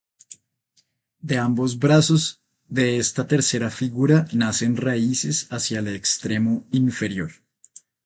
De ambos brazos de esta tercera figura nacen raíces hacia el extremo inferior.